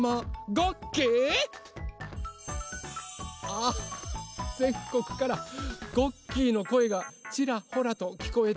あぜんこくからごっきーのこえがちらほらときこえてまいりました。